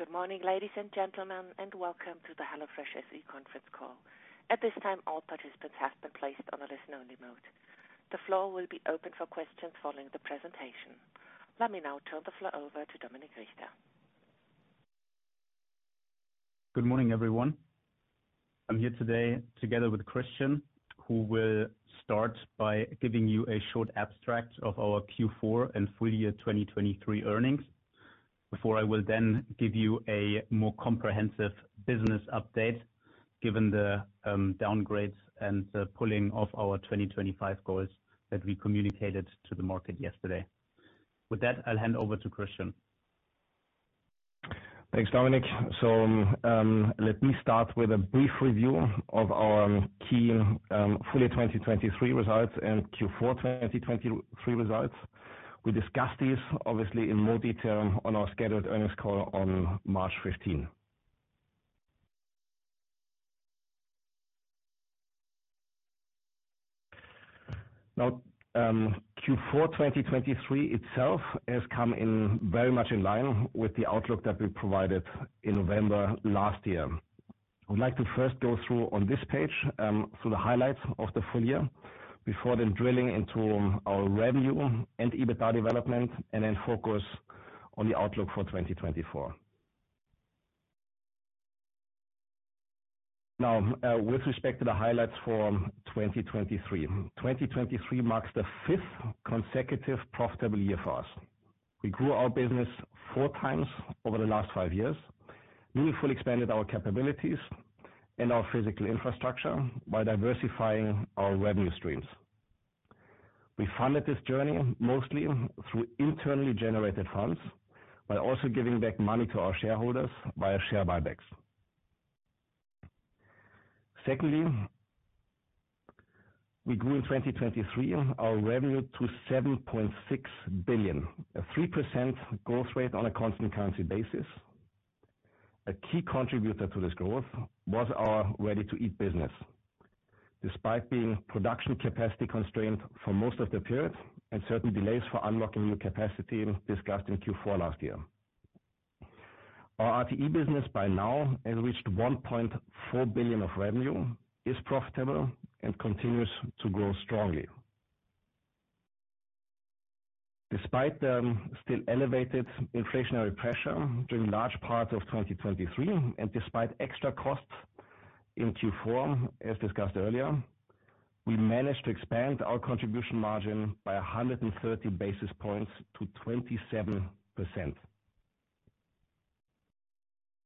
Good morning, ladies and gentlemen, and welcome to the HelloFresh SE conference call. At this time, all participants have been placed on a listen-only mode. The floor will be open for questions following the presentation. Let me now turn the floor over to Dominik Richter. Good morning, everyone. I'm here today together with Christian, who will start by giving you a short abstract of our Q4 and full year 2023 earnings, before I will then give you a more comprehensive business update, given the downgrades and the pulling of our 2025 goals that we communicated to the market yesterday. With that, I'll hand over to Christian. Thanks, Dominik. So, let me start with a brief review of our key full year 2023 results and Q4 2023 results. We discussed these obviously in more detail on our scheduled earnings call on March 15. Now, Q4 2023 itself has come in very much in line with the outlook that we provided in November last year. I'd like to first go through on this page through the highlights of the full year before then drilling into our revenue and EBITDA development, and then focus on the outlook for 2024. Now, with respect to the highlights for 2023. 2023 marks the fifth consecutive profitable year for us. We grew our business four times over the last five years, meaningfully expanded our capabilities and our physical infrastructure by diversifying our revenue streams. We funded this journey mostly through internally generated funds, by also giving back money to our shareholders via share buybacks. Secondly, we grew in 2023 our revenue to 7.6 billion, a 3% growth rate on a constant currency basis. A key contributor to this growth was our ready-to-eat business, despite being production capacity constrained for most of the period and certain delays for unlocking new capacity discussed in Q4 last year. Our RTE business by now has reached 1.4 billion of revenue, is profitable and continues to grow strongly. Despite the still elevated inflationary pressure during large parts of 2023, and despite extra costs in Q4, as discussed earlier, we managed to expand our contribution margin by 130 basis points to 27%.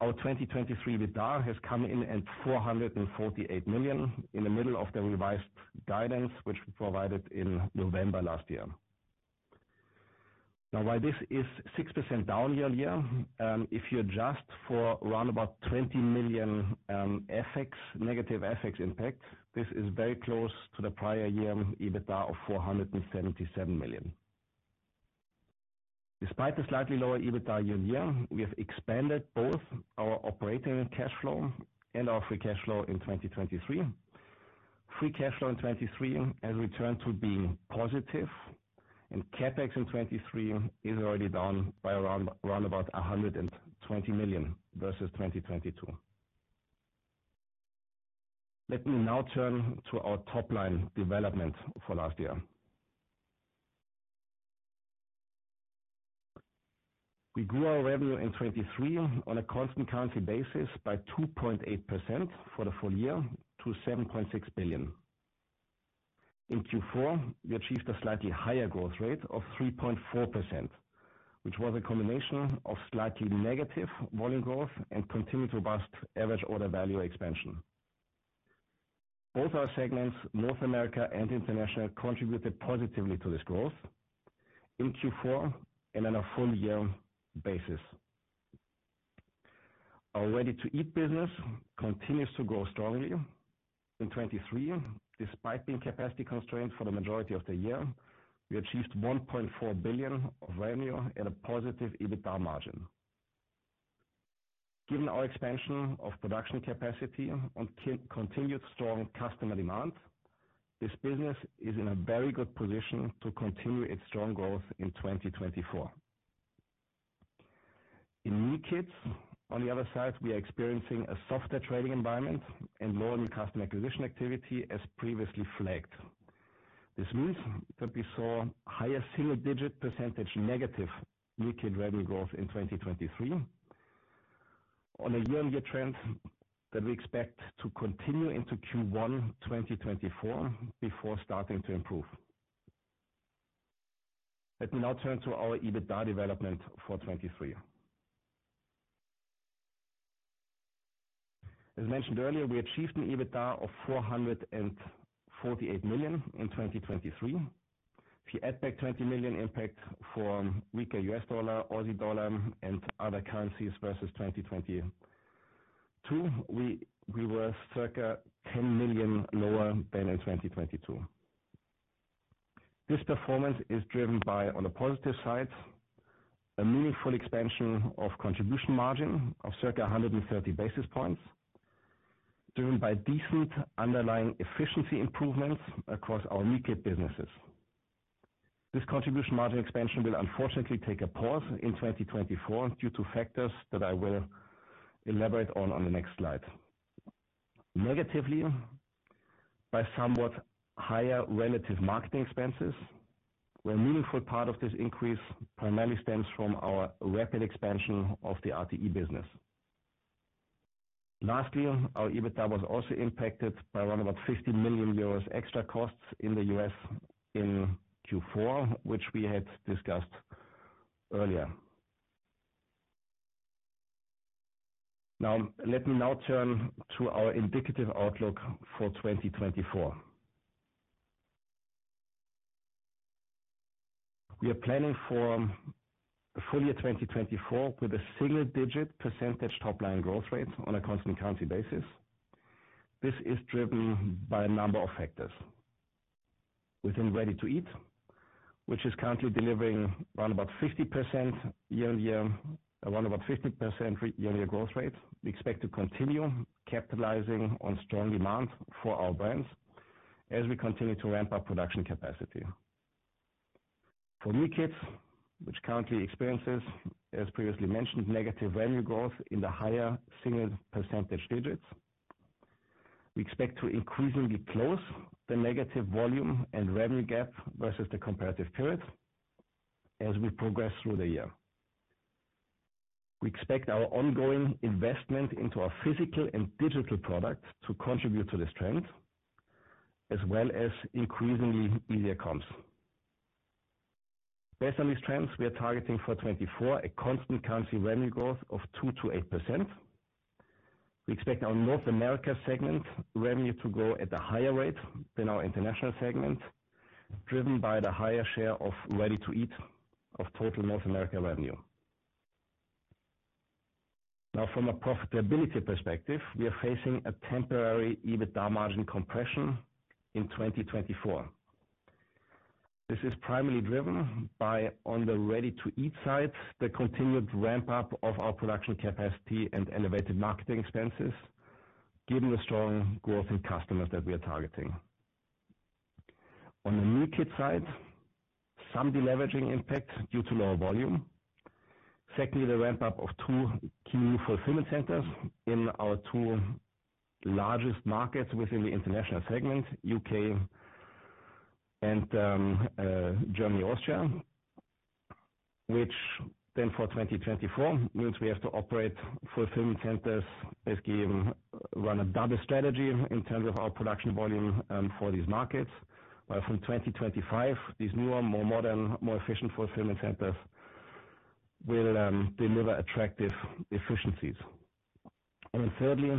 Our 2023 EBITDA has come in at 448 million in the middle of the revised guidance, which we provided in November last year. Now, while this is 6% down year-on-year, if you adjust for round about 20 million, FX, negative FX impact, this is very close to the prior year EBITDA of 477 million. Despite the slightly lower EBITDA year-on-year, we have expanded both our operating cash flow and our free cash flow in 2023. Free cash flow in 2023 has returned to being positive, and CapEx in 2023 is already down by around, round about 120 million versus 2022. Let me now turn to our top line development for last year. We grew our revenue in 2023 on a constant currency basis by 2.8% for the full year to 7.6 billion. In Q4, we achieved a slightly higher growth rate of 3.4%, which was a combination of slightly negative volume growth and continued robust average order value expansion. Both our segments, North America and International, contributed positively to this growth in Q4 and on a full year basis. Our ready-to-eat business continues to grow strongly. In 2023, despite being capacity constrained for the majority of the year, we achieved 1.4 billion of revenue at a positive EBITDA margin. Given our expansion of production capacity and continued strong customer demand, this business is in a very good position to continue its strong growth in 2024. In meal kits, on the other side, we are experiencing a softer trading environment and lower customer acquisition activity as previously flagged. This means that we saw higher single-digit% negative meal kit revenue growth in 2023 on a year-on-year trend that we expect to continue into Q1 2024 before starting to improve. Let me now turn to our EBITDA development for 2023. As mentioned earlier, we achieved an EBITDA of 448 million in 2023. If you add back 20 million impact for weaker US dollar, Aussie dollar, and other currencies versus 2022, we were circa 10 million lower than in 2022. This performance is driven by, on the positive side, a meaningful expansion of contribution margin of circa 130 basis points, driven by decent underlying efficiency improvements across our meal kit businesses.... This contribution margin expansion will unfortunately take a pause in 2024 due to factors that I will elaborate on, on the next slide. Negatively, by somewhat higher relative marketing expenses, where a meaningful part of this increase primarily stems from our rapid expansion of the RTE business. Lastly, our EBITDA was also impacted by around about 50 million euros extra costs in the U.S. in Q4, which we had discussed earlier. Now, let me now turn to our indicative outlook for 2024. We are planning for the full year 2024, with a single-digit % top line growth rate on a constant currency basis. This is driven by a number of factors. Within ready-to-eat, which is currently delivering around about 50% year-on-year, around about 50% year-on-year growth rate. We expect to continue capitalizing on strong demand for our brands as we continue to ramp up production capacity. For meal kits, which currently experiences, as previously mentioned, negative revenue growth in the high single digits. We expect to increasingly close the negative volume and revenue gap versus the comparative period as we progress through the year. We expect our ongoing investment into our physical and digital products to contribute to this trend, as well as increasingly easier comps. Based on these trends, we are targeting for 2024, a constant currency revenue growth of 2%-8%. We expect our North America segment revenue to grow at a higher rate than our international segment, driven by the higher share of ready-to-eat of total North America revenue. Now, from a profitability perspective, we are facing a temporary EBITDA margin compression in 2024. This is primarily driven by, on the ready-to-eat side, the continued ramp up of our production capacity and elevated marketing expenses, given the strong growth in customers that we are targeting. On the meal kit side, some deleveraging impact due to lower volume. Secondly, the ramp up of two key fulfillment centers in our two largest markets within the international segment, UK and, Germany, Austria, which then for 2024 means we have to operate fulfillment centers, basically run a double strategy in terms of our production volume, for these markets. While from 2025, these newer, more modern, more efficient fulfillment centers will deliver attractive efficiencies. And then thirdly,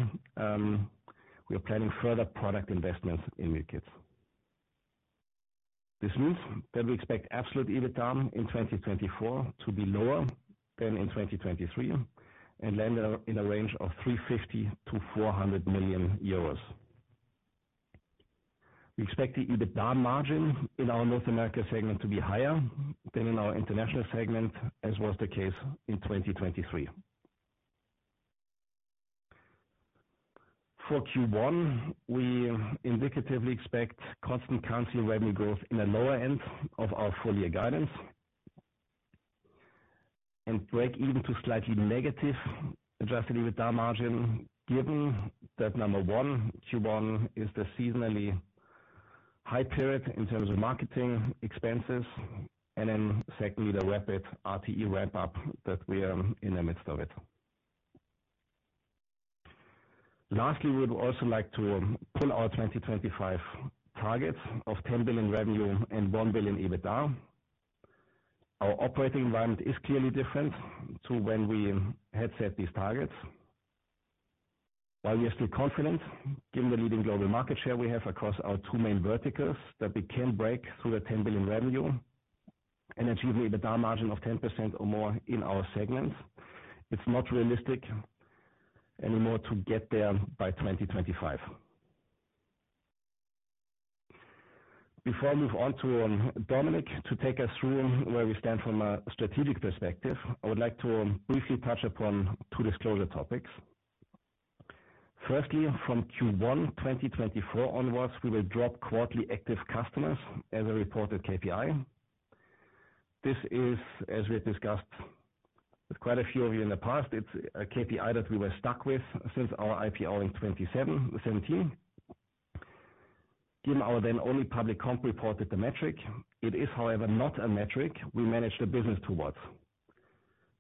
we are planning further product investments in meal kits. This means that we expect absolute EBITDA in 2024 to be lower than in 2023, and land in a range of 350 million-400 million euros. We expect the EBITDA margin in our North America segment to be higher than in our international segment, as was the case in 2023. For Q1, we indicatively expect constant currency revenue growth in the lower end of our full year guidance. And break even to slightly negative adjusted EBITDA margin, given that number one, Q1 is the seasonally high period in terms of marketing expenses, and then secondly, the rapid RTE ramp up that we are in the midst of it. Lastly, we would also like to pull our 2025 targets of 10 billion revenue and 1 billion EBITDA. Our operating environment is clearly different to when we had set these targets. While we are still confident, given the leading global market share we have across our two main verticals, that we can break through the 10 billion revenue and achieve an EBITDA margin of 10% or more in our segments, it's not realistic anymore to get there by 2025. Before I move on to Dominik to take us through where we stand from a strategic perspective, I would like to briefly touch upon two disclosure topics. Firstly, from Q1 2024 onwards, we will drop quarterly active customers as a reported KPI. This is, as we have discussed with quite a few of you in the past, it's a KPI that we were stuck with since our IPO in 2017. Given our then only public comp reported the metric, it is however, not a metric we manage the business towards.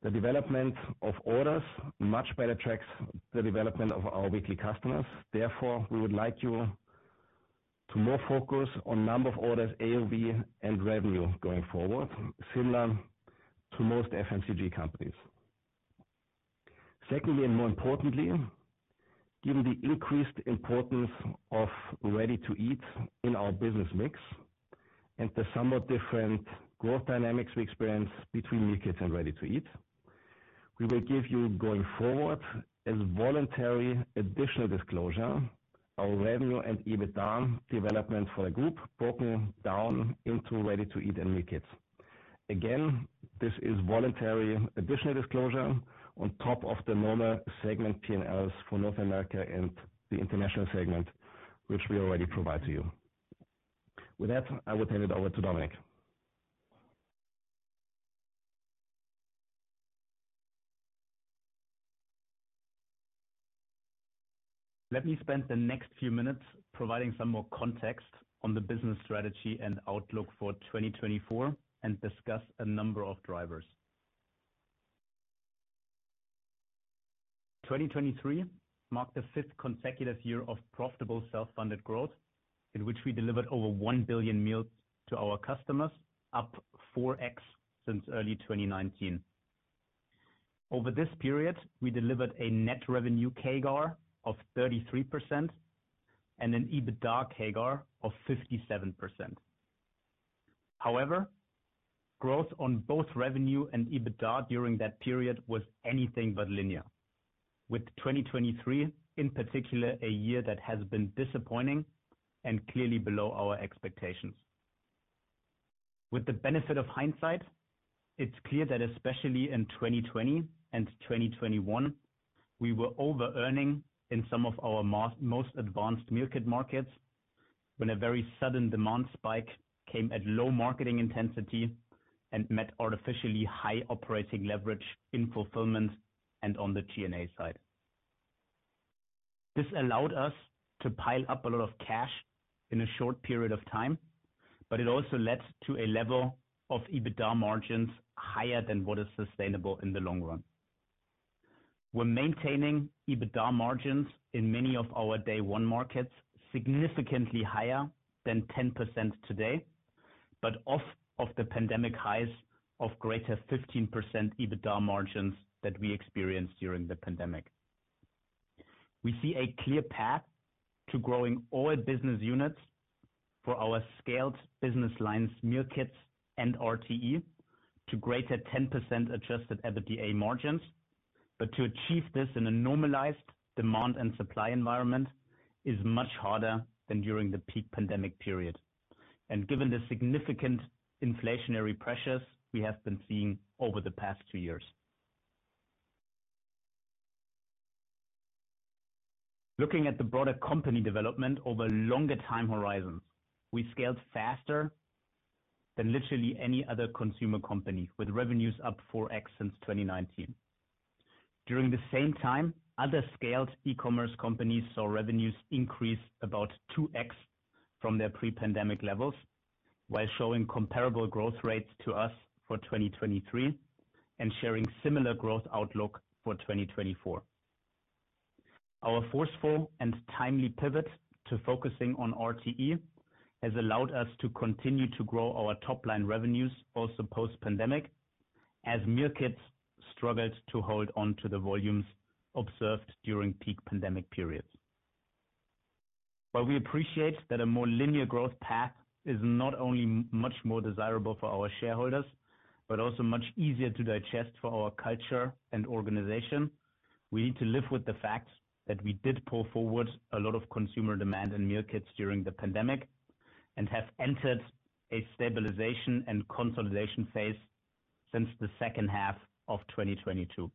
The development of orders much better tracks the development of our weekly customers. Therefore, we would like you to more focus on number of orders, AOV, and revenue going forward, similar to most FMCG companies. Secondly, and more importantly, given the increased importance of ready-to-eat in our business mix and the somewhat different growth dynamics we experience between meal kits and ready-to-eat, we will give you, going forward, as voluntary additional disclosure, our revenue and EBITDA development for the group, broken down into ready-to-eat and meal kits. Again, this is voluntary additional disclosure on top of the normal segment PNLs for North America and the international segment, which we already provide to you. With that, I will hand it over to Dominik. Let me spend the next few minutes providing some more context on the business strategy and outlook for 2024, and discuss a number of drivers. 2023 marked the fifth consecutive year of profitable self-funded growth, in which we delivered over 1 billion meals to our customers, up 4x since early 2019. Over this period, we delivered a net revenue CAGR of 33% and an EBITDA CAGR of 57%. However, growth on both revenue and EBITDA during that period was anything but linear, with 2023, in particular, a year that has been disappointing and clearly below our expectations. With the benefit of hindsight, it's clear that especially in 2020 and 2021, we were overearning in some of our most advanced meal kit markets, when a very sudden demand spike came at low marketing intensity and met artificially high operating leverage in fulfillment and on the G&A side. This allowed us to pile up a lot of cash in a short period of time, but it also led to a level of EBITDA margins higher than what is sustainable in the long run. We're maintaining EBITDA margins in many of our day one markets, significantly higher than 10% today, but off of the pandemic highs of greater 15% EBITDA margins that we experienced during the pandemic. We see a clear path to growing all business units for our scaled business lines, meal kits and RTE, to greater 10% adjusted EBITDA margins. But to achieve this in a normalized demand and supply environment is much harder than during the peak pandemic period, and given the significant inflationary pressures we have been seeing over the past two years. Looking at the broader company development over longer time horizons, we scaled faster than literally any other consumer company, with revenues up 4x since 2019. During the same time, other scaled e-commerce companies saw revenues increase about 2x from their pre-pandemic levels, while showing comparable growth rates to us for 2023 and sharing similar growth outlook for 2024. Our forceful and timely pivot to focusing on RTE has allowed us to continue to grow our top line revenues, also post-pandemic, as meal kits struggled to hold on to the volumes observed during peak pandemic periods. While we appreciate that a more linear growth path is not only much more desirable for our shareholders, but also much easier to digest for our culture and organization, we need to live with the fact that we did pull forward a lot of consumer demand and meal kits during the pandemic, and have entered a stabilization and consolidation phase since the second half of 2022.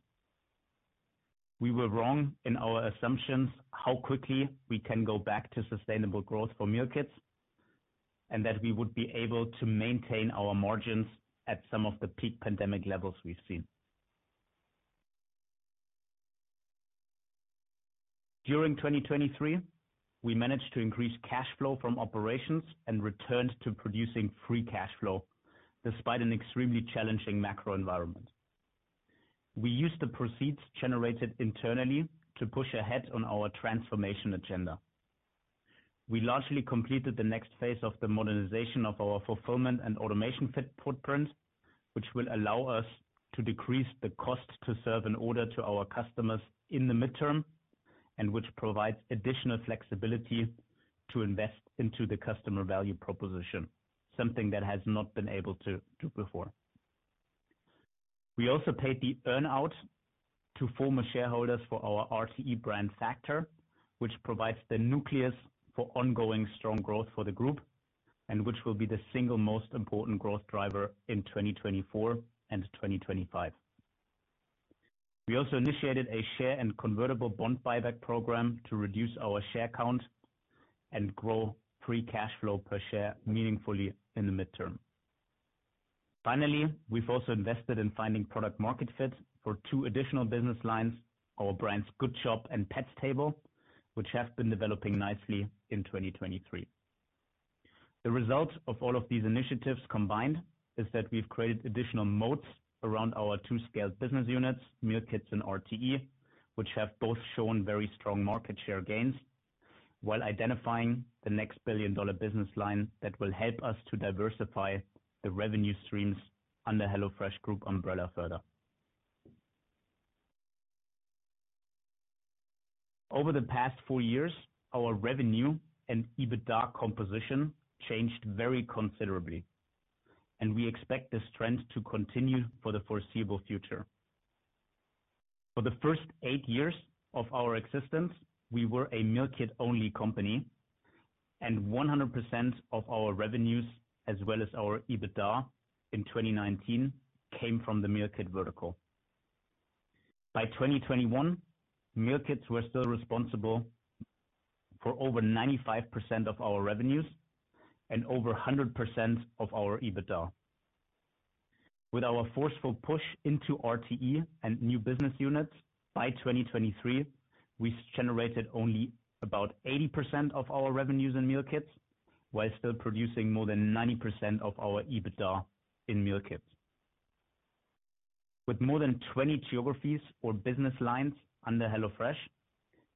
We were wrong in our assumptions how quickly we can go back to sustainable growth for meal kits, and that we would be able to maintain our margins at some of the peak pandemic levels we've seen. During 2023, we managed to increase cash flow from operations and returned to producing free cash flow, despite an extremely challenging macro environment. We used the proceeds generated internally to push ahead on our transformation agenda. We largely completed the next phase of the modernization of our fulfillment and automation footprint, which will allow us to decrease the cost to serve an order to our customers in the midterm, and which provides additional flexibility to invest into the customer value proposition, something that has not been able to do before. We also paid the earn-out to former shareholders for our RTE brand Factor, which provides the nucleus for ongoing strong growth for the group, and which will be the single most important growth driver in 2024 and 2025. We also initiated a share and convertible bond buyback program to reduce our share count and grow free cash flow per share meaningfully in the midterm. Finally, we've also invested in finding product market fit for two additional business lines, our brands Good Chop and The Pets Table, which have been developing nicely in 2023. The result of all of these initiatives combined is that we've created additional moats around our two scaled business units, meal kits and RTE, which have both shown very strong market share gains, while identifying the next billion-dollar business line that will help us to diversify the revenue streams on the HelloFresh Group umbrella further. Over the past four years, our revenue and EBITDA composition changed very considerably, and we expect this trend to continue for the foreseeable future. For the first eight years of our existence, we were a meal kit only company, and 100% of our revenues, as well as our EBITDA in 2019, came from the meal kit vertical. By 2021, meal kits were still responsible for over 95% of our revenues and over 100% of our EBITDA. With our forceful push into RTE and new business units, by 2023, we generated only about 80% of our revenues in meal kits, while still producing more than 90% of our EBITDA in meal kits. With more than 20 geographies or business lines under HelloFresh,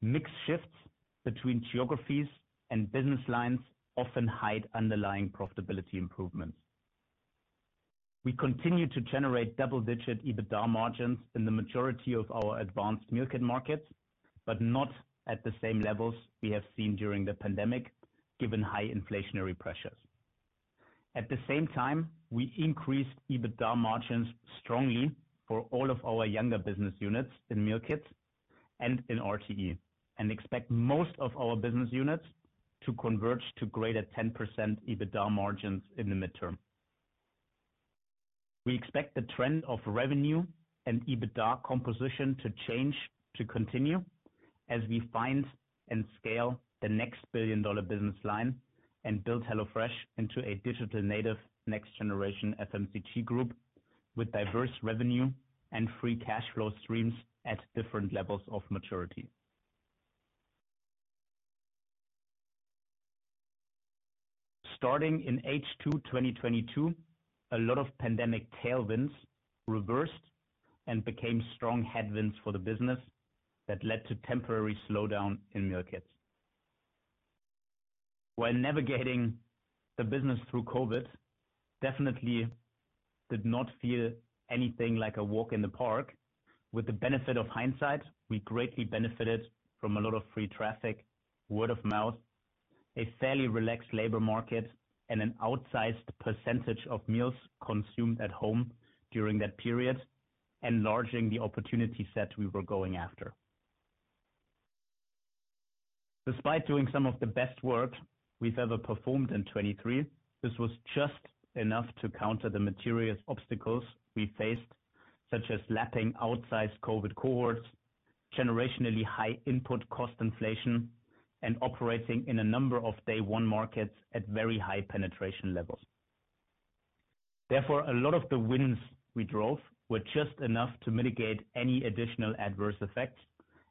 mixed shifts between geographies and business lines often hide underlying profitability improvements. We continue to generate double-digit EBITDA margins in the majority of our advanced meal kit markets, but not at the same levels we have seen during the pandemic, given high inflationary pressures. At the same time, we increased EBITDA margins strongly for all of our younger business units in meal kits and in RTE, and expect most of our business units to converge to greater 10% EBITDA margins in the midterm. We expect the trend of revenue and EBITDA composition to change, to continue as we find and scale the next billion-dollar business line and build HelloFresh into a digital native next generation FMCG group with diverse revenue and free cash flow streams at different levels of maturity. Starting in H2 2022, a lot of pandemic tailwinds reversed and became strong headwinds for the business that led to temporary slowdown in meal kits. While navigating the business through COVID, definitely did not feel anything like a walk in the park. With the benefit of hindsight, we greatly benefited from a lot of free traffic, word of mouth, a fairly relaxed labor market, and an outsized percentage of meals consumed at home during that period, enlarging the opportunity set we were going after. Despite doing some of the best work we've ever performed in 2023, this was just enough to counter the material obstacles we faced, such as lapping outsized COVID cohorts, generationally high input cost inflation, and operating in a number of day one markets at very high penetration levels. Therefore, a lot of the wins we drove were just enough to mitigate any additional adverse effects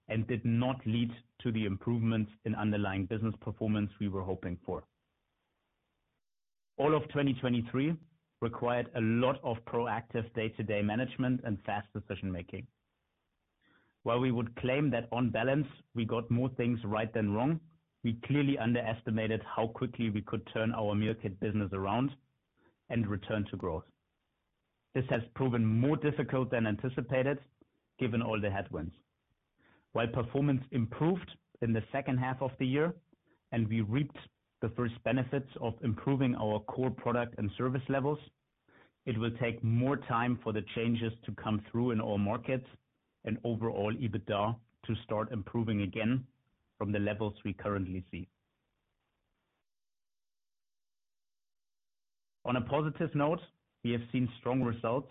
and did not lead to the improvements in underlying business performance we were hoping for. All of 2023 required a lot of proactive day-to-day management and fast decision-making. While we would claim that on balance, we got more things right than wrong, we clearly underestimated how quickly we could turn our meal kit business around and return to growth. This has proven more difficult than anticipated, given all the headwinds. While performance improved in the second half of the year and we reaped the first benefits of improving our core product and service levels, it will take more time for the changes to come through in all markets and overall EBITDA to start improving again from the levels we currently see. On a positive note, we have seen strong results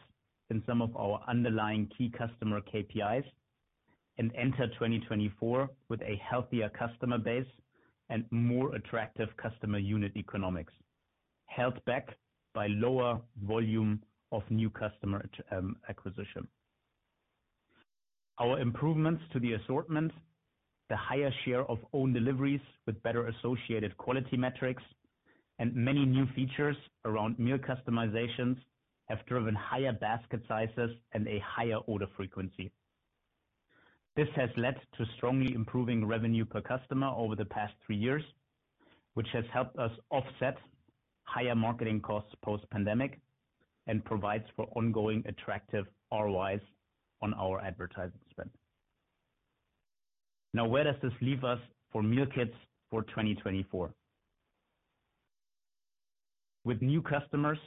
in some of our underlying key customer KPIs and enter 2024 with a healthier customer base and more attractive customer unit economics, held back by lower volume of new customer acquisition. Our improvements to the assortment, the higher share of own deliveries with better associated quality metrics, and many new features around meal customizations, have driven higher basket sizes and a higher order frequency. This has led to strongly improving revenue per customer over the past three years, which has helped us offset higher marketing costs post-pandemic and provides for ongoing attractive ROIs on our advertising spend. Now, where does this leave us for meal kits for 2024? With new customers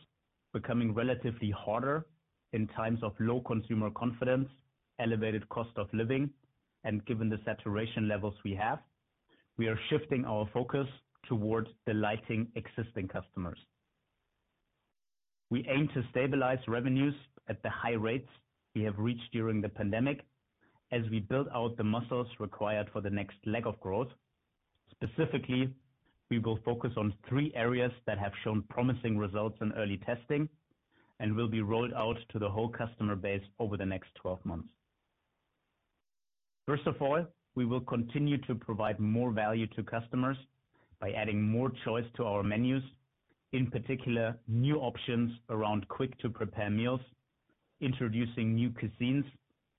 becoming relatively harder in times of low consumer confidence, elevated cost of living, and given the saturation levels we have, we are shifting our focus towards delighting existing customers. We aim to stabilize revenues at the high rates we have reached during the pandemic, as we build out the muscles required for the next leg of growth. Specifically, we will focus on three areas that have shown promising results in early testing and will be rolled out to the whole customer base over the next twelve months. First of all, we will continue to provide more value to customers by adding more choice to our menus, in particular, new options around quick-to-prepare meals, introducing new cuisines,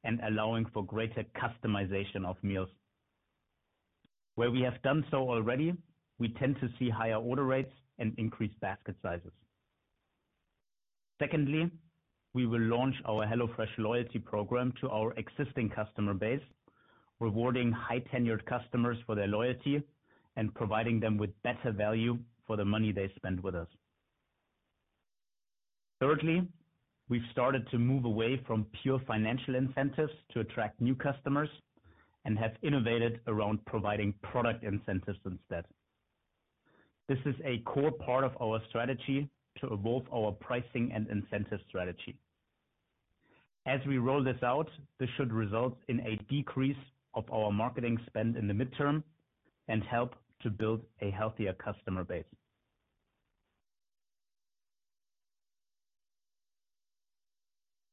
and allowing for greater customization of meals. Where we have done so already, we tend to see higher order rates and increased basket sizes. Secondly, we will launch our HelloFresh loyalty program to our existing customer base, rewarding high-tenured customers for their loyalty and providing them with better value for the money they spend with us.... Thirdly, we've started to move away from pure financial incentives to attract new customers, and have innovated around providing product incentives instead. This is a core part of our strategy to evolve our pricing and incentive strategy. As we roll this out, this should result in a decrease of our marketing spend in the midterm, and help to build a healthier customer base.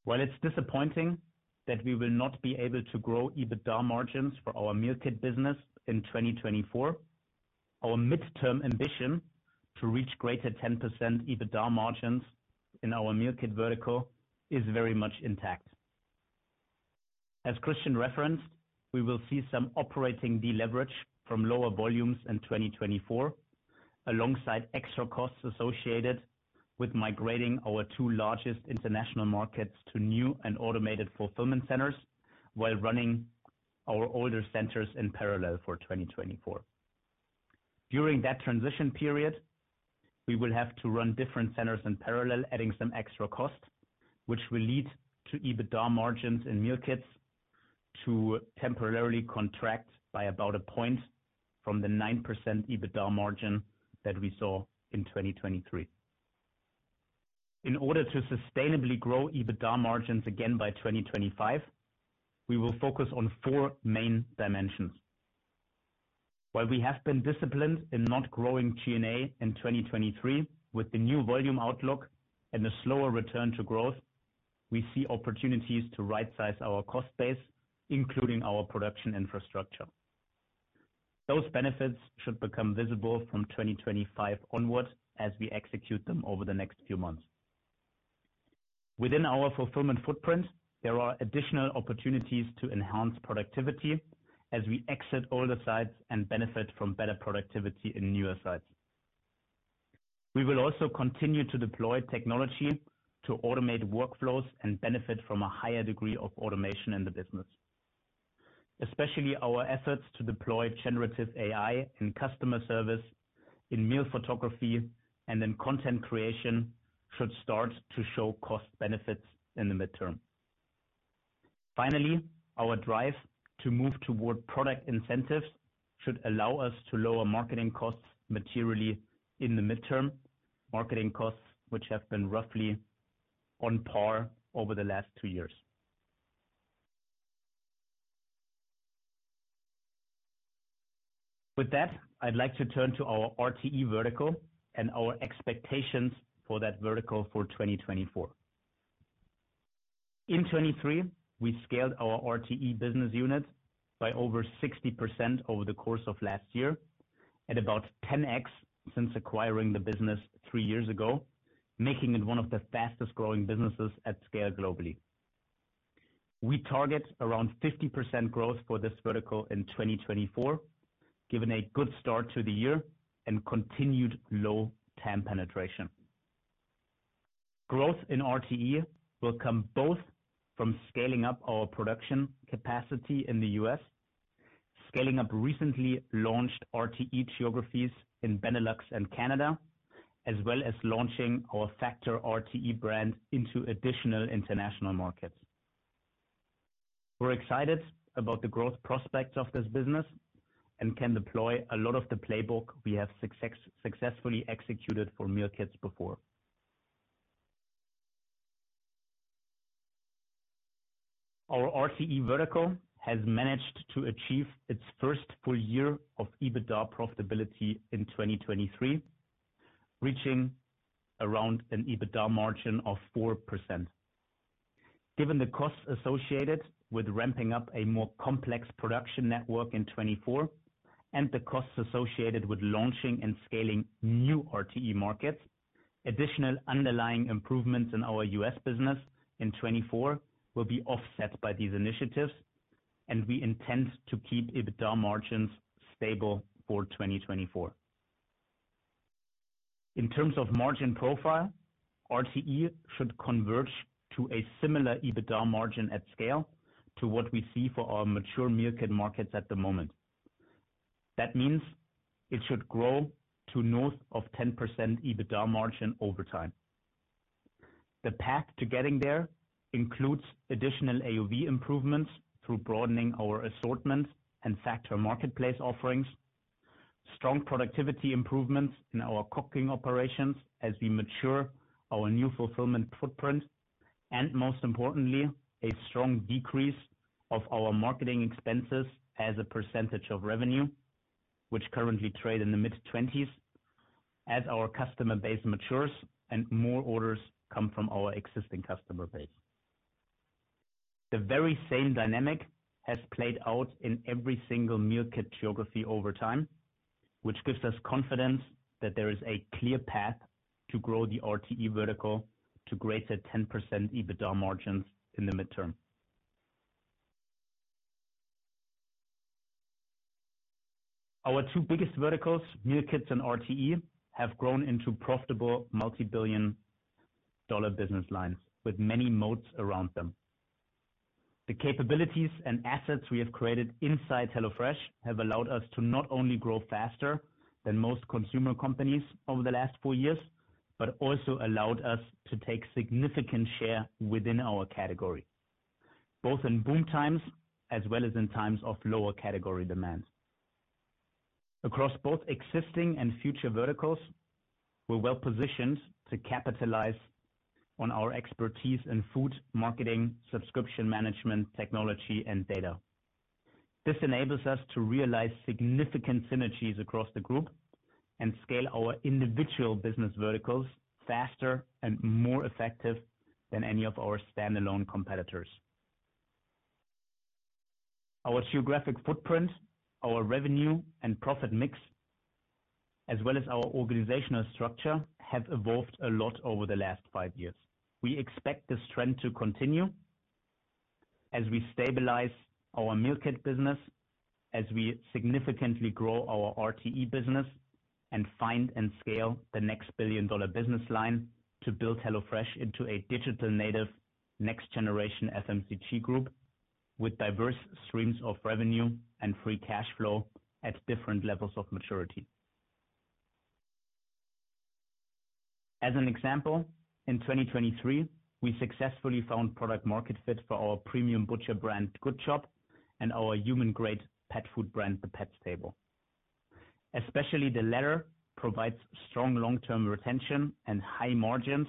While it's disappointing that we will not be able to grow EBITDA margins for our meal kit business in 2024, our midterm ambition to reach greater 10% EBITDA margins in our meal kit vertical is very much intact. As Christian referenced, we will see some operating deleverage from lower volumes in 2024, alongside extra costs associated with migrating our two largest international markets to new and automated fulfillment centers, while running our older centers in parallel for 2024. During that transition period, we will have to run different centers in parallel, adding some extra cost, which will lead to EBITDA margins and meal kits to temporarily contract by about a point from the 9% EBITDA margin that we saw in 2023. In order to sustainably grow EBITDA margins again by 2025, we will focus on four main dimensions. While we have been disciplined in not growing G&A in 2023, with the new volume outlook and a slower return to growth, we see opportunities to right-size our cost base, including our production infrastructure. Those benefits should become visible from 2025 onwards, as we execute them over the next few months. Within our fulfillment footprint, there are additional opportunities to enhance productivity as we exit older sites and benefit from better productivity in newer sites. We will also continue to deploy technology to automate workflows and benefit from a higher degree of automation in the business. Especially our efforts to deploy generative AI in customer service, in meal photography, and in content creation, should start to show cost benefits in the midterm. Finally, our drive to move toward product incentives should allow us to lower marketing costs materially in the midterm. Marketing costs, which have been roughly on par over the last two years. With that, I'd like to turn to our RTE vertical and our expectations for that vertical for 2024. In 2023, we scaled our RTE business unit by over 60% over the course of last year, at about 10x since acquiring the business three years ago, making it one of the fastest growing businesses at scale globally. We target around 50% growth for this vertical in 2024, given a good start to the year and continued low TAM penetration. Growth in RTE will come both from scaling up our production capacity in the U.S., scaling up recently launched RTE geographies in Benelux and Canada, as well as launching our Factor RTE brand into additional international markets. We're excited about the growth prospects of this business and can deploy a lot of the playbook we have successfully executed for meal kits before. Our RTE vertical has managed to achieve its first full year of EBITDA profitability in 2023, reaching around an EBITDA margin of 4%. Given the costs associated with ramping up a more complex production network in 2024, and the costs associated with launching and scaling new RTE markets, additional underlying improvements in our US business in 2024 will be offset by these initiatives, and we intend to keep EBITDA margins stable for 2024. In terms of margin profile, RTE should converge to a similar EBITDA margin at scale to what we see for our mature meal kit markets at the moment. That means it should grow to north of 10% EBITDA margin over time. The path to getting there includes additional AOV improvements through broadening our assortment and Factor marketplace offerings, strong productivity improvements in our cooking operations as we mature our new fulfillment footprint, and most importantly, a strong decrease of our marketing expenses as a percentage of revenue, which currently trade in the mid-20s% as our customer base matures and more orders come from our existing customer base. The very same dynamic has played out in every single meal kit geography over time, which gives us confidence that there is a clear path to grow the RTE vertical to greater than 10% EBITDA margins in the midterm. Our two biggest verticals, meal kits and RTE, have grown into profitable, multi-billion dollar business lines with many moats around them.... The capabilities and assets we have created inside HelloFresh have allowed us to not only grow faster than most consumer companies over the last four years, but also allowed us to take significant share within our category, both in boom times as well as in times of lower category demand. Across both existing and future verticals, we're well positioned to capitalize on our expertise in food marketing, subscription management, technology, and data. This enables us to realize significant synergies across the group and scale our individual business verticals faster and more effective than any of our standalone competitors. Our geographic footprint, our revenue and profit mix, as well as our organizational structure, have evolved a lot over the last five years. We expect this trend to continue as we stabilize our meal kit business, as we significantly grow our RTE business, and find and scale the next billion-dollar business line to build HelloFresh into a digital native, next generation FMCG group with diverse streams of revenue and free cash flow at different levels of maturity. As an example, in 2023, we successfully found product market fit for our premium butcher brand, Good Chop, and our human grade pet food brand, The Pets Table. Especially the latter provides strong long-term retention and high margins,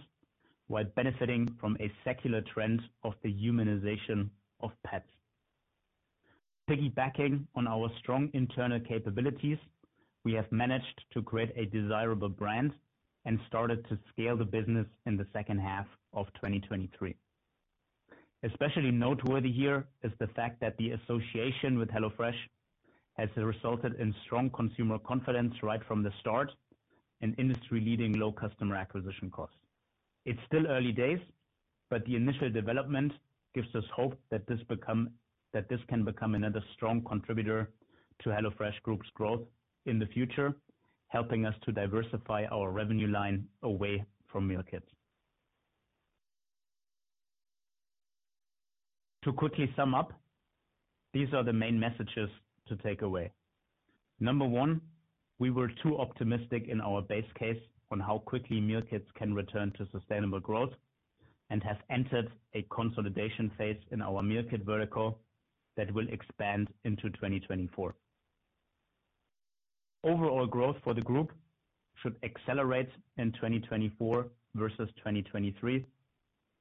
while benefiting from a secular trend of the humanization of pets. Piggybacking on our strong internal capabilities, we have managed to create a desirable brand and started to scale the business in the second half of 2023. Especially noteworthy here is the fact that the association with HelloFresh has resulted in strong consumer confidence right from the start, and industry leading low customer acquisition costs. It's still early days, but the initial development gives us hope that this can become another strong contributor to HelloFresh Group's growth in the future, helping us to diversify our revenue line away from meal kits. To quickly sum up, these are the main messages to take away. Number one, we were too optimistic in our base case on how quickly meal kits can return to sustainable growth and have entered a consolidation phase in our meal kit vertical that will expand into 2024. Overall growth for the group should accelerate in 2024 versus 2023,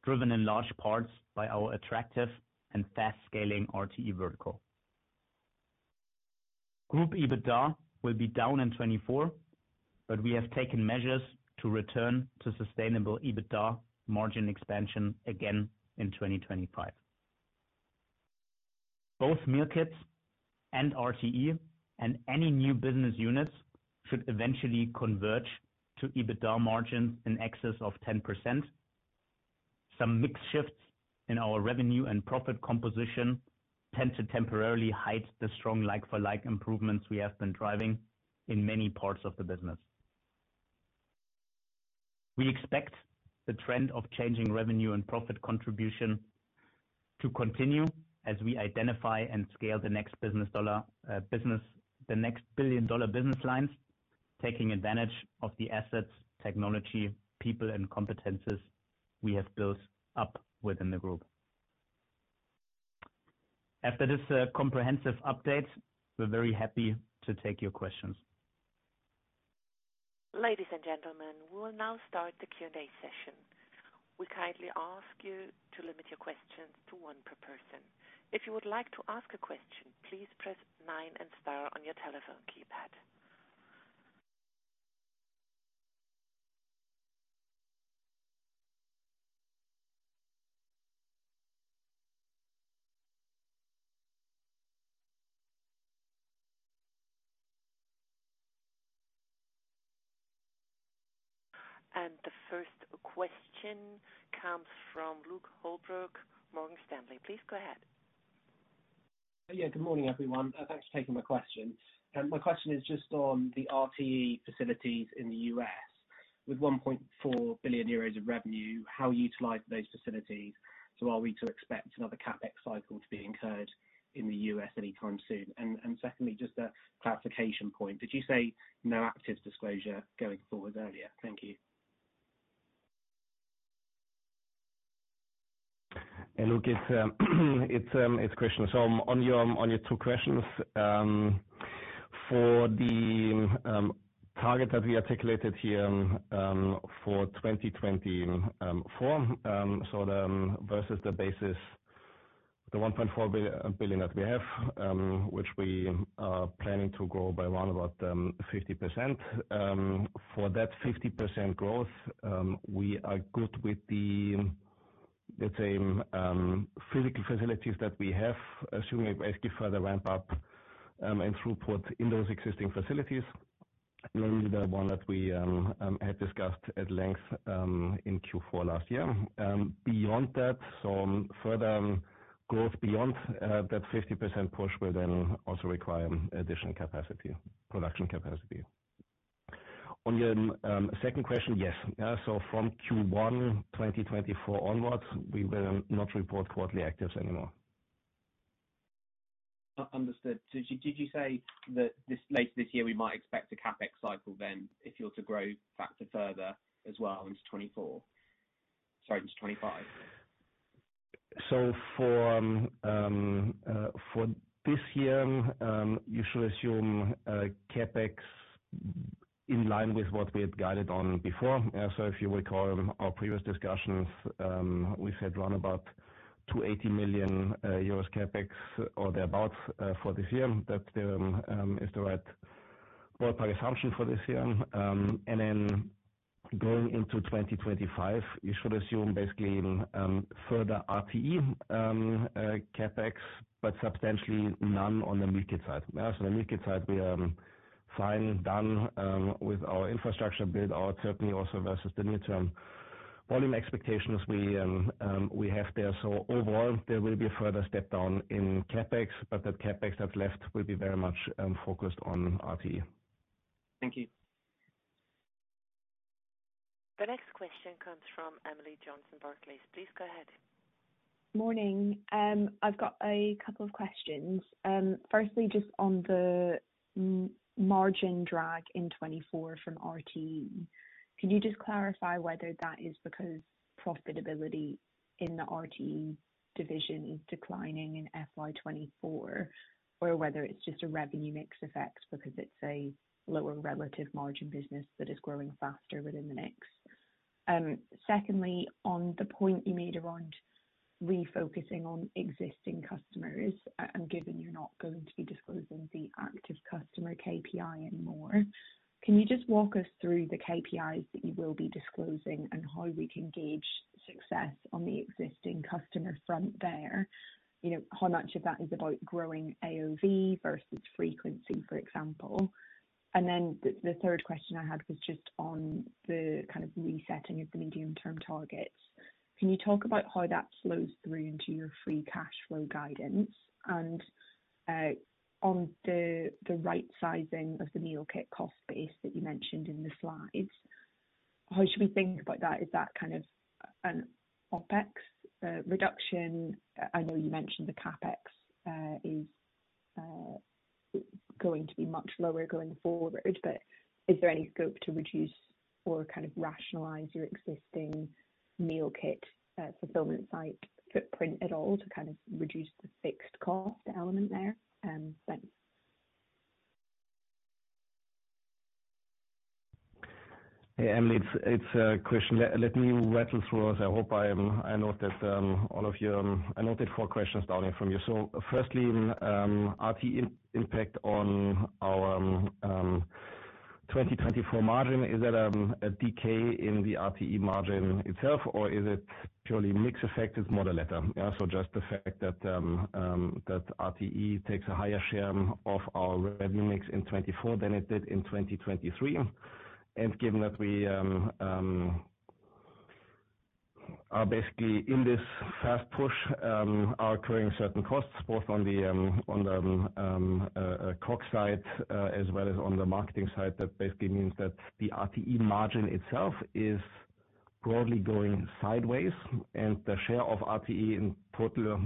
driven in large parts by our attractive and fast-scaling RTE vertical. Group EBITDA will be down in 2024, but we have taken measures to return to sustainable EBITDA margin expansion again in 2025. Both meal kits and RTE and any new business units should eventually converge to EBITDA margins in excess of 10%. Some mix shifts in our revenue and profit composition tend to temporarily hide the strong like-for-like improvements we have been driving in many parts of the business. We expect the trend of changing revenue and profit contribution to continue as we identify and scale the next billion dollar business lines, taking advantage of the assets, technology, people, and competencies we have built up within the group. After this comprehensive update, we're very happy to take your questions. Ladies and gentlemen, we will now start the Q&A session. We kindly ask you to limit your questions to one per person. If you would like to ask a question, please press nine and star on your telephone keypad. The first question comes from Luke Holbrook, Morgan Stanley. Please go ahead. Yeah, good morning, everyone, and thanks for taking my question. My question is just on the RTE facilities in the US. With 1.4 billion euros of revenue, how utilize those facilities, so are we to expect another CapEx cycle to be incurred in the US anytime soon? And, and secondly, just a clarification point, did you say no active disclosure going forward earlier? Thank you. Look, it's Christian. So on your two questions, for the target that we articulated here for 2024, so versus the basis, the 1.4 billion that we have, which we are planning to grow by around about 50%. For that 50% growth, we are good with the, let's say, physical facilities that we have, assuming we basically further ramp up and throughput in those existing facilities, namely the one that we had discussed at length in Q4 last year. Beyond that, so further growth beyond that 50% push will then also require additional capacity, production capacity. On your second question, yes. Yeah, so from Q1 2024 onwards, we will not report quarterly actives anymore. Understood. So did you say that this later this year, we might expect a CapEx cycle then, if you're to grow Factor further as well into 2024, sorry, into 2025? So for this year, you should assume CapEx in line with what we had guided on before. So if you recall our previous discussions, we said around about 280 million euros CapEx or thereabouts for this year, that is the right ballpark assumption for this year. And then going into 2025, you should assume basically further RTE CapEx, but substantially none on the meal kit side. Yeah, so the meal kit side, we finally done with our infrastructure build out, certainly also versus the near-term volume expectations we have there. So overall, there will be a further step down in CapEx, but the CapEx that's left will be very much focused on RTE. Thank you. The next question comes from Emily Johnson, Barclays. Please go ahead. Morning. I've got a couple of questions. Firstly, just on the margin drag in 2024 from RTE. Can you just clarify whether that is because profitability in the RTE division is declining in FY 2024? Or whether it's just a revenue mix effect because it's a lower relative margin business that is growing faster within the mix. Secondly, on the point you made around refocusing on existing customers, and given you're not going to be disclosing the active customer KPI anymore, can you just walk us through the KPIs that you will be disclosing and how we can gauge success on the existing customer front there? You know, how much of that is about growing AOV versus frequency, for example. And then the third question I had was just on the kind of resetting of the medium-term targets. Can you talk about how that flows through into your Free Cash Flow guidance? And, on the right sizing of the meal kit cost base that you mentioned in the slides, how should we think about that? Is that kind of an OpEx reduction? I know you mentioned the CapEx is going to be much lower going forward, but is there any scope to reduce or kind of rationalize your existing meal kit fulfillment site footprint at all to kind of reduce the fixed cost element there? Thanks. Hey, Emily, it's a question. Let me rattle through, as I hope I noted all of your... I noted four questions down here from you. So firstly, RTE impact on our 2024 margin, is that a decay in the RTE margin itself, or is it purely mix effect? It's more the latter. Yeah, so just the fact that RTE takes a higher share of our revenue mix in '2024 than it did in 2023. And given that we are basically in this fast push, incurring certain costs, both on the cost side, as well as on the marketing side, that basically means that the RTE margin itself is broadly going sideways, and the share of RTE in total,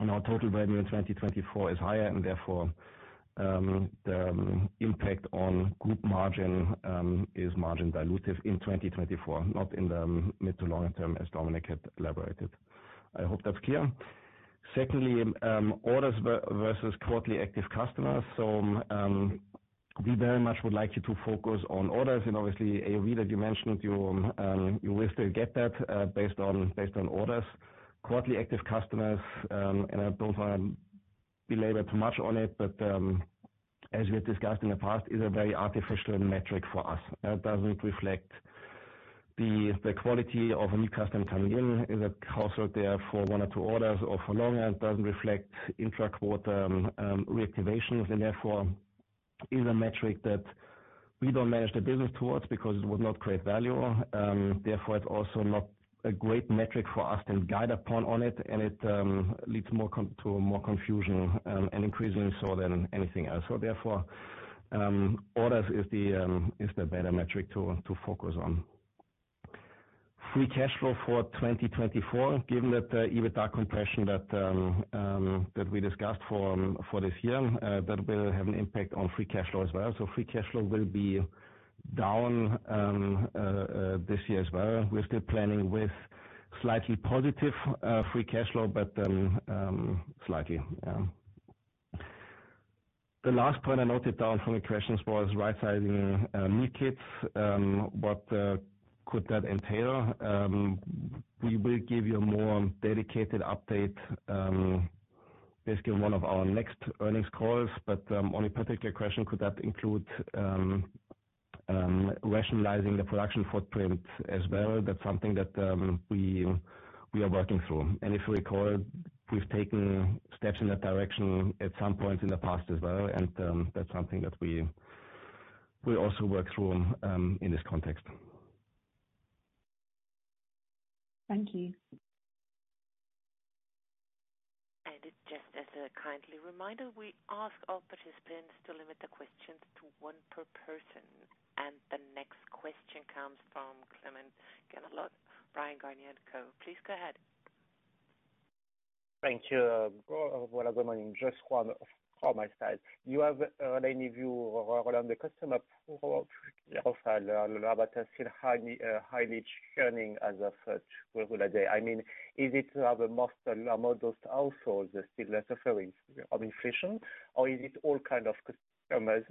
in our total revenue in 2024 is higher, and therefore, the impact on group margin is margin dilutive in 2024, not in the mid to long term, as Dominik had elaborated. I hope that's clear. Secondly, orders versus quarterly active customers. So, we very much would like you to focus on orders and obviously, AOV, that you mentioned, you will still get that, based on orders. Quarterly active customers, and I don't want to belabor too much on it, but, as we have discussed in the past, is a very artificial metric for us. It doesn't reflect the quality of a new customer coming in, is it also there for one or two orders or for longer, and doesn't reflect intra-quarter reactivation, and therefore, is a metric that we don't manage the business towards because it would not create value. Therefore, it's also not a great metric for us to guide upon on it, and it leads to more confusion, and increasingly so than anything else. So therefore, orders is the better metric to focus on. Free cash flow for 2024, given that, EBITDA compression that we discussed for this year, that will have an impact on free cash flow as well. So free cash flow will be down this year as well. We're still planning with slightly positive free cash flow, but slightly, yeah. The last point I noted down from your questions was right-sizing meal kits. What could that entail? We will give you a more dedicated update, basically, in one of our next earnings calls. But on a particular question, could that include rationalizing the production footprint as well? That's something that we are working through. If you recall, we've taken steps in that direction at some point in the past as well, and that's something that we also work through in this context. Thank you.... kind reminder, we ask all participants to limit the questions to one per person. The next question comes from Clement, Bryan Garnier & Co. Please go ahead. Thank you. Well, good morning. Just one for my side. Do you have any view around the customer profile, but still highly, highly churning as of today? I mean, is it rather most modest households are still suffering of inflation, or is it all kind of customers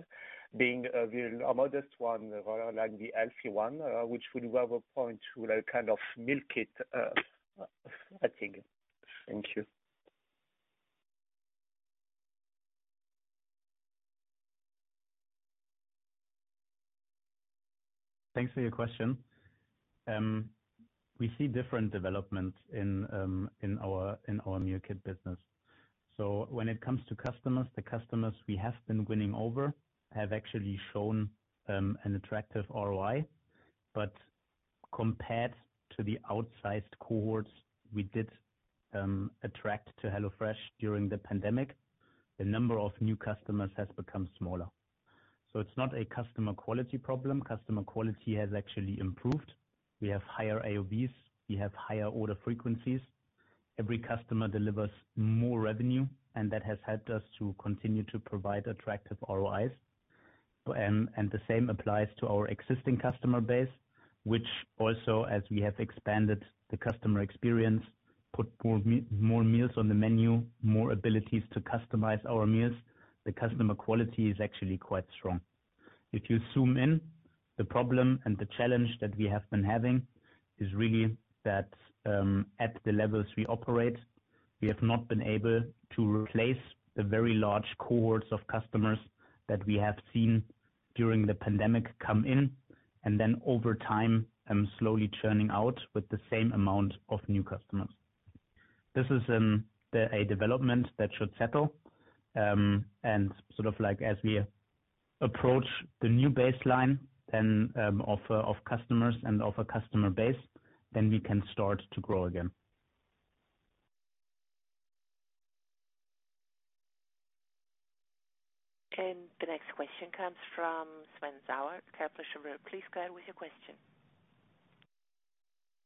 being a very, a modest one, rather like the healthy one, which would have a point to, like, kind of milk it, I think. Thank you. Thanks for your question. We see different developments in our meal kit business. So when it comes to customers, the customers we have been winning over have actually shown an attractive ROI. But compared to the outsized cohorts we did attract to HelloFresh during the pandemic, the number of new customers has become smaller. So it's not a customer quality problem. Customer quality has actually improved. We have higher AOVs, we have higher order frequencies. Every customer delivers more revenue, and that has helped us to continue to provide attractive ROIs. And the same applies to our existing customer base, which also, as we have expanded the customer experience, put more meals on the menu, more abilities to customize our meals, the customer quality is actually quite strong. If you zoom in, the problem and the challenge that we have been having is really that, at the levels we operate, we have not been able to replace the very large cohorts of customers that we have seen during the pandemic come in, and then over time, slowly churning out with the same amount of new customers. This is a development that should settle, and sort of like as we approach the new baseline, then of customers and of a customer base, then we can start to grow again. The next question comes from Sven Sauer, Berenberg. Please go ahead with your question.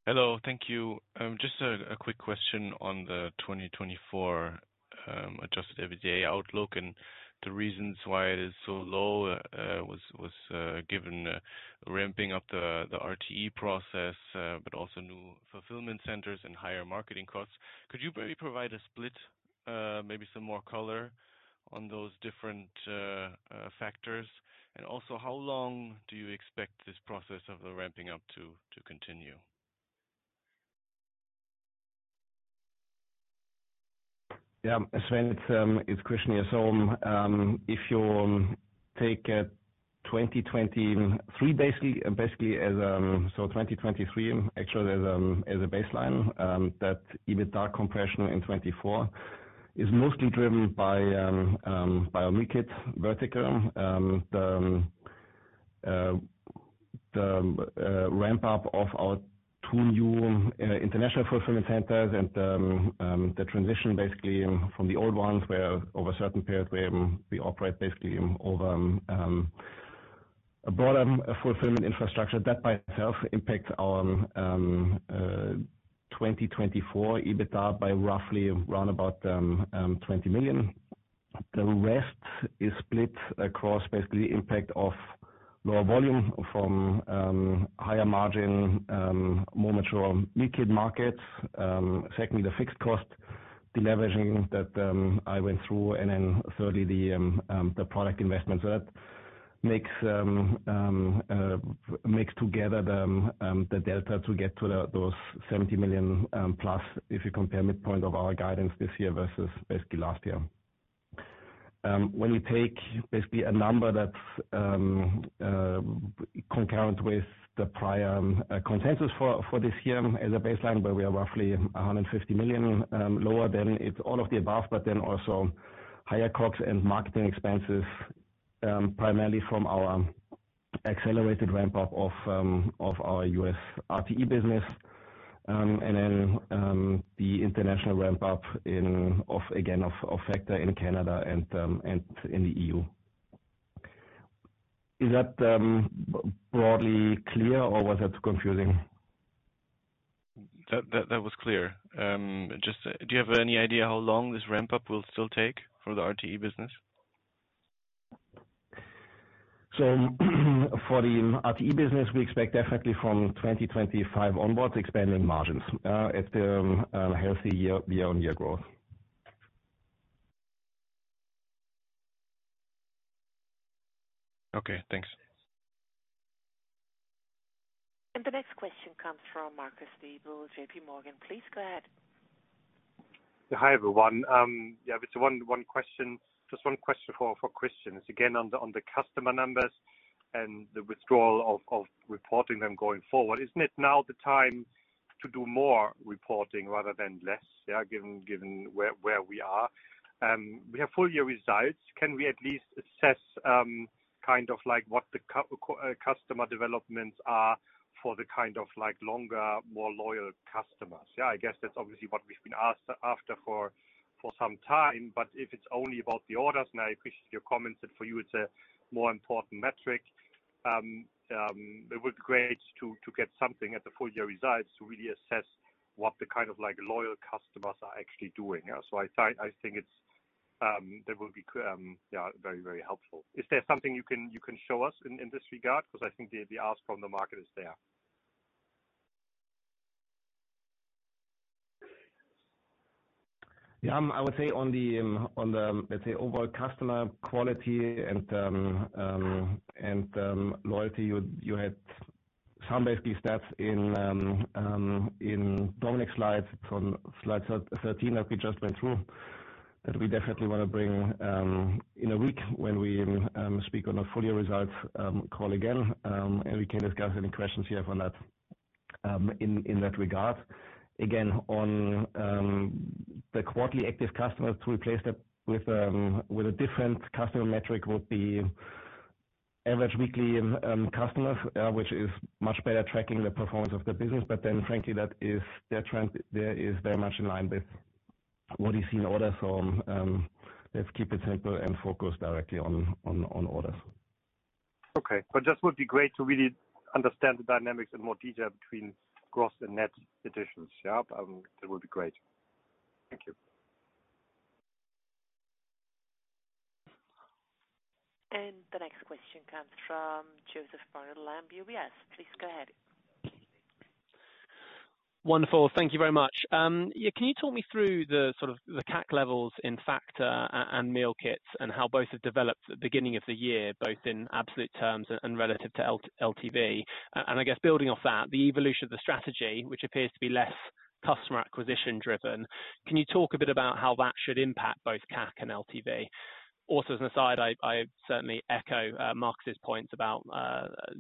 Hello, thank you. Just a quick question on the 2024 adjusted EBITDA outlook and the reasons why it is so low, was given ramping up the RTE process, but also new fulfillment centers and higher marketing costs. Could you maybe provide a split, maybe some more color on those different factors? And also, how long do you expect this process of the ramping up to continue? Yeah, Sven, it's Christian here. So, if you take 2023, basically, as 2023 actually as a baseline, that EBITDA compression in 2024 is mostly driven by our meal kit vertical. The ramp up of our two new international fulfillment centers and the transition basically from the old ones, where over a certain period, where we operate basically over a broader fulfillment infrastructure. That by itself impacts our 2024 EBITDA by roughly around about 20 million. The rest is split across basically impact of lower volume from higher margin more mature meal kit markets. Secondly, the fixed cost deleveraging that I went through, and then thirdly, the product investments. That makes together the delta to get to those 70 million+, if you compare midpoint of our guidance this year versus basically last year. When you take basically a number that's concurrent with the prior consensus for this year as a baseline, where we are roughly 150 million lower, then it's all of the above, but then also higher costs and marketing expenses primarily from our accelerated ramp-up of our US RTE business. And then the international ramp-up of Factor in Canada and in the EU. Is that broadly clear, or was that confusing? That was clear. Just, do you have any idea how long this ramp-up will still take for the RTE business? So, for the RTE business, we expect definitely from 2025 onwards, expanding margins at a healthy year-on-year growth. Okay, thanks. The next question comes from Marcus Diebel, JP Morgan. Please go ahead. Hi, everyone. Yeah, just one question for Christian. Again, on the customer numbers and the withdrawal of reporting them going forward, isn't it now the time to do more reporting rather than less, yeah, given where we are? We have full year results. Can we at least assess kind of like what the customer developments are for the kind of like longer, more loyal customers? Yeah, I guess that's obviously what we've been asked after for some time, but if it's only about the orders, and I appreciate your comments that for you, it's a more important metric. It would be great to get something at the full year results to really assess what the kind of like loyal customers are actually doing. Yeah, so I think, I think it's that will be yeah, very, very helpful. Is there something you can show us in this regard? Because I think the ask from the market is there. Yeah, I would say on the overall customer quality and loyalty, you had some basically stats in Dominik's slide, from slide 13, that we just went through. That we definitely want to bring in a week when we speak on a full year results call again, and we can discuss any questions you have on that in that regard. Again, on the quarterly active customers, to replace that with a different customer metric, would be average weekly customers, which is much better tracking the performance of the business. But then frankly, that is their trend, there is very much in line with what you see in order. So, let's keep it simple and focus directly on orders. Okay. But just would be great to really understand the dynamics in more detail between gross and net additions. Yeah, that would be great. Thank you. The next question comes from ,Jo Barnet-Lamb UBS. Please go ahead. Wonderful. Thank you very much. Yeah, can you talk me through the, sort of, the CAC levels in Factor and meal kits, and how both have developed at the beginning of the year, both in absolute terms and relative to LTV? And I guess building off that, the evolution of the strategy, which appears to be less customer acquisition driven, can you talk a bit about how that should impact both CAC and LTV? Also, as an aside, I certainly echo Marcus's points about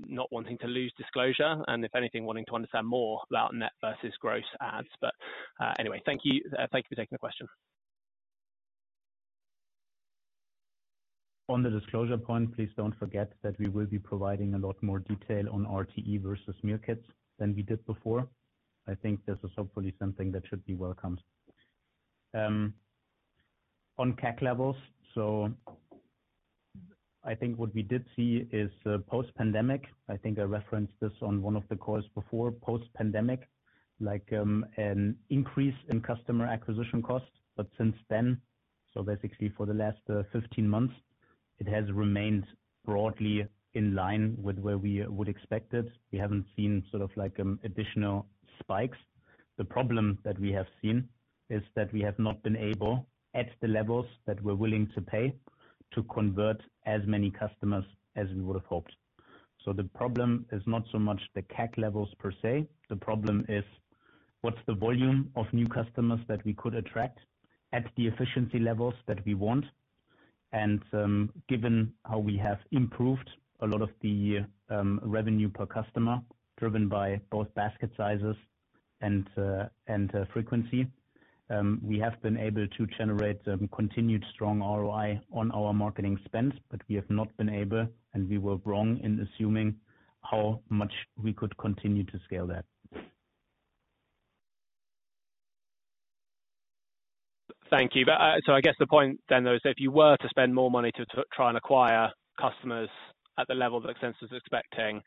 not wanting to lose disclosure, and if anything, wanting to understand more about net versus gross ads. But anyway, thank you. Thank you for taking the question. On the disclosure point, please don't forget that we will be providing a lot more detail on RTE versus meal kits, than we did before. I think this is hopefully something that should be welcomed. On CAC levels, so I think what we did see is, post-pandemic, I think I referenced this on one of the calls before. Post-pandemic, like, an increase in customer acquisition costs, but since then, so basically for the last, 15 months, it has remained broadly in line with where we would expect it. We haven't seen sort of like, additional spikes. The problem that we have seen, is that we have not been able, at the levels that we're willing to pay, to convert as many customers as we would have hoped. So the problem is not so much the CAC levels per se, the problem is: what's the volume of new customers that we could attract at the efficiency levels that we want? And, given how we have improved a lot of the revenue per customer, driven by both basket sizes and frequency, we have been able to generate continued strong ROI on our marketing spends. But we have not been able, and we were wrong in assuming, how much we could continue to scale that. Thank you. But, so I guess the point then, though, is if you were to spend more money to try and acquire customers at the level that Senso is expecting,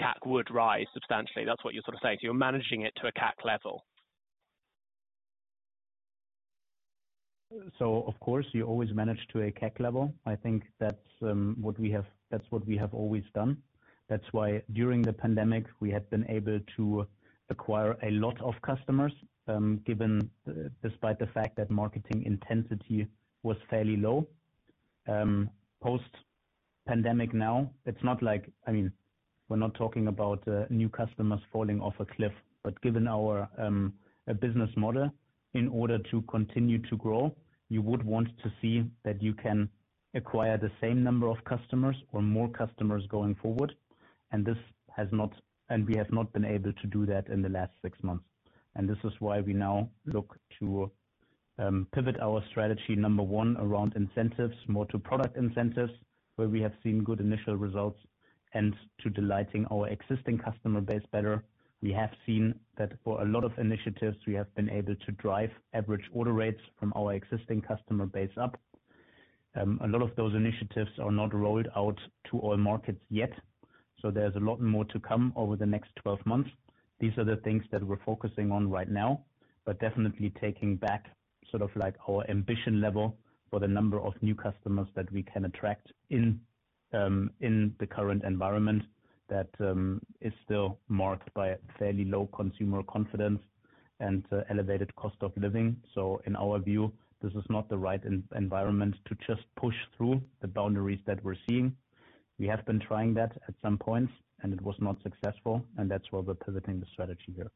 CAC would rise substantially. That's what you're sort of saying, so you're managing it to a CAC level. Of course, you always manage to a CAC level. I think that's what we have, that's what we have always done. That's why during the pandemic, we had been able to acquire a lot of customers, given, despite the fact that marketing intensity was fairly low. Post-pandemic now, it's not like, I mean, we're not talking about new customers falling off a cliff. But given our business model, in order to continue to grow, you would want to see that you can acquire the same number of customers or more customers going forward. And this has not... And we have not been able to do that in the last six months. This is why we now look to pivot our strategy, number one, around incentives, more to product incentives, where we have seen good initial results, and to delighting our existing customer base better. We have seen that for a lot of initiatives, we have been able to drive average order rates from our existing customer base up. A lot of those initiatives are not rolled out to all markets yet, so there's a lot more to come over the next 12 months. These are the things that we're focusing on right now, but definitely taking back sort of like our ambition level for the number of new customers that we can attract in the current environment that is still marked by a fairly low consumer confidence and elevated cost of living. In our view, this is not the right environment to just push through the boundaries that we're seeing. We have been trying that at some points, and it was not successful, and that's why we're pivoting the strategy here.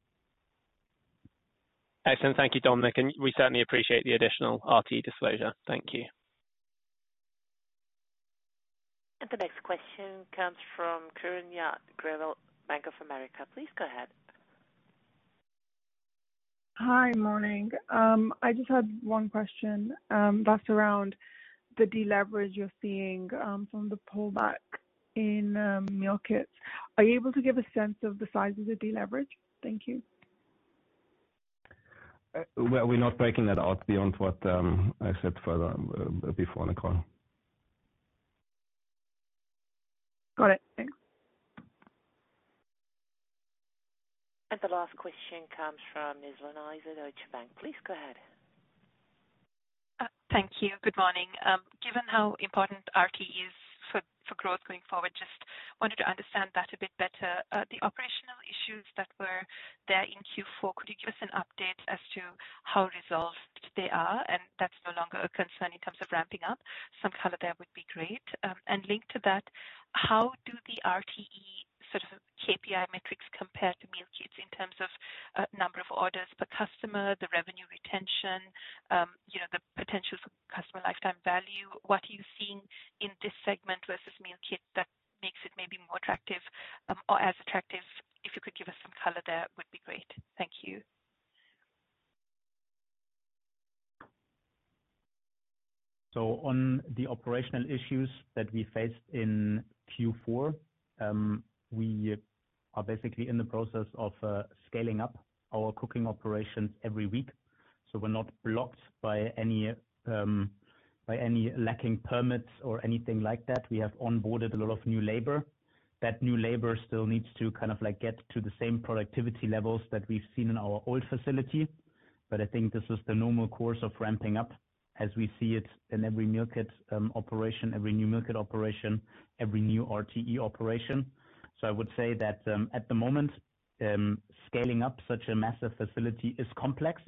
Excellent. Thank you, Dominik, and we certainly appreciate the additional RTE disclosure. Thank you. The next question comes from (Karina Guillen), Bank of America. Please go ahead. Hi, morning. I just had one question, that's around the deleverage you're seeing, from the pullback in, meal kits. Are you able to give a sense of the size of the deleverage? Thank you.... well, we're not breaking that out beyond what I said further before on the call. Got it. Thanks. And the last question comes from Ms. Nizla Naizer at Deutsche Bank. Please go ahead. Thank you. Good morning. Given how important RTE is for growth going forward, just wanted to understand that a bit better. The operational issues that were there in Q4, could you give us an update as to how resolved they are, and that's no longer a concern in terms of ramping up? Some color there would be great. And linked to that, how do the RTE sort of KPI metrics compare to meal kits in terms of number of orders per customer, the revenue retention, you know, the potential for customer lifetime value? What are you seeing in this segment versus meal kit that makes it maybe more attractive or as attractive? If you could give us some color there, would be great. Thank you. So on the operational issues that we faced in Q4, we are basically in the process of scaling up our cooking operations every week. So we're not blocked by any, by any lacking permits or anything like that. We have onboarded a lot of new labor. That new labor still needs to kind of, like, get to the same productivity levels that we've seen in our old facility. But I think this is the normal course of ramping up as we see it in every meal kit operation, every new meal kit operation, every new RTE operation. So I would say that, at the moment, scaling up such a massive facility is complex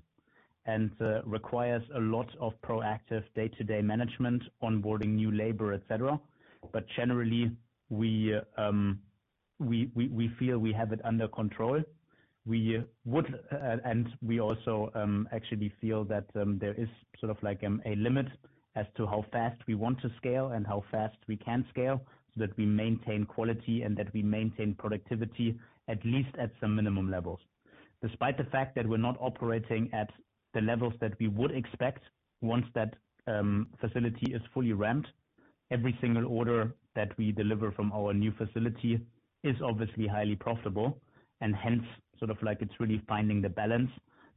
and, requires a lot of proactive day-to-day management, onboarding new labor, et cetera. But generally, we feel we have it under control. We would, and we also, actually feel that, there is sort of like, a limit as to how fast we want to scale and how fast we can scale, so that we maintain quality and that we maintain productivity, at least at some minimum levels. Despite the fact that we're not operating at the levels that we would expect once that, facility is fully ramped, every single order that we deliver from our new facility is obviously highly profitable, and hence, sort of like it's really finding the balance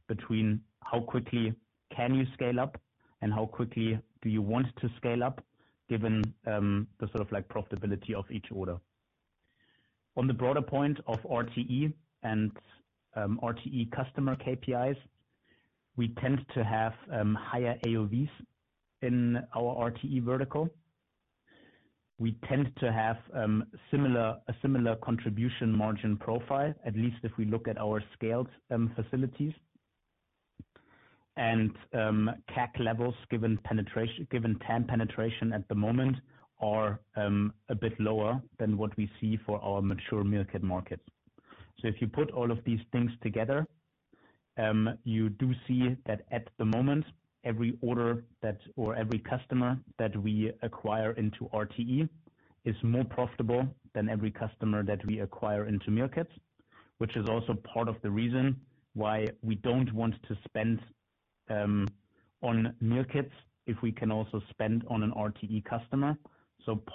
between how quickly can you scale up and how quickly do you want to scale up, given, the sort of like profitability of each order. On the broader point of RTE and, RTE customer KPIs, we tend to have, higher AOVs in our RTE vertical. We tend to have a similar contribution margin profile, at least if we look at our scaled facilities. CAC levels, given TAM penetration at the moment, are a bit lower than what we see for our mature meal kit markets. So if you put all of these things together, you do see that at the moment, every order that, or every customer that we acquire into RTE is more profitable than every customer that we acquire into meal kits, which is also part of the reason why we don't want to spend on meal kits if we can also spend on an RTE customer.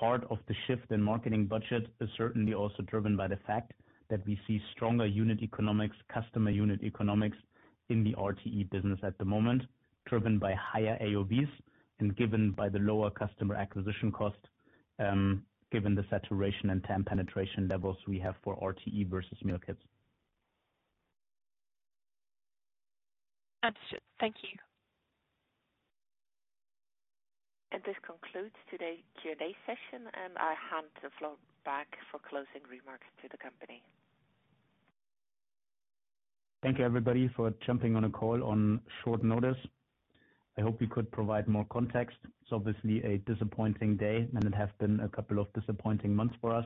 Part of the shift in marketing budget is certainly also driven by the fact that we see stronger unit economics, customer unit economics, in the RTE business at the moment, driven by higher AOVs and given by the lower customer acquisition cost, given the saturation and TAM penetration levels we have for RTE versus meal kits. Understood. Thank you. This concludes today's Q&A session, and I hand the floor back for closing remarks to the company. Thank you, everybody, for jumping on the call on short notice. I hope we could provide more context. It's obviously a disappointing day, and it has been a couple of disappointing months for us.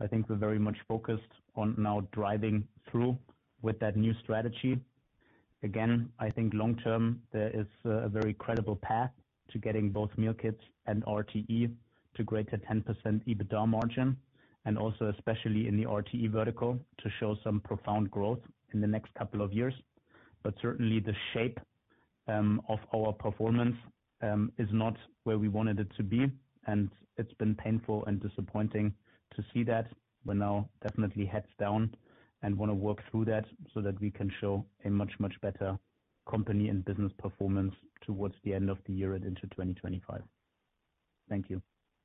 I think we're very much focused on now driving through with that new strategy. Again, I think long term, there is a very credible path to getting both meal kits and RTE to greater 10% EBITDA margin, and also especially in the RTE vertical, to show some profound growth in the next couple of years. But certainly the shape of our performance is not where we wanted it to be, and it's been painful and disappointing to see that. We're now definitely heads down and want to work through that so that we can show a much, much better company and business performance towards the end of the year and into 2025. Thank you.